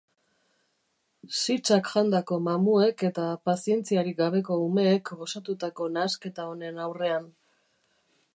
Sitsak jandako mamuek eta pazientziarik gabeko umeek osatutako nahasketa honen aurrean.